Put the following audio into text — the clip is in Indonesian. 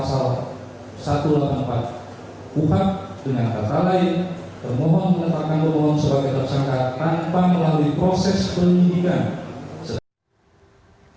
tanpa melalui proses penyelidikan